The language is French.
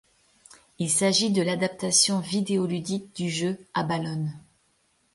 Il s'agit de l'adaptation vidéoludique du jeu Abalone.